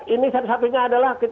ini satu satunya adalah